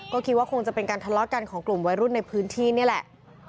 ก็คิดว่าคงจะเป็นการทะเลาะกันของกลุ่มวัยรุ่นในพื้นที่นี่แหละ